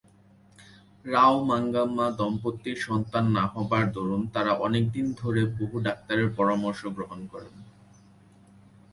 রাও-মাঙ্গাম্মা দম্পতির সন্তান না হবার দরুন তারা অনেকদিন ধরে বহু ডাক্তারের পরামর্শ গ্রহণ করেন।